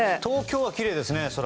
東京は空、きれいですね。